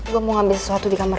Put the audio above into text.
gue mau ambil sesuatu di kamar